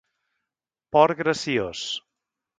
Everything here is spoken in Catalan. Port graciós.